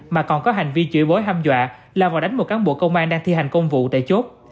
mà còn có hành vi chuyển bối ham dọa là vào đánh một cán bộ công an đang thi hành công vụ để chốt